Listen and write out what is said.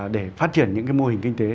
để phát triển những cái mô hình kinh tế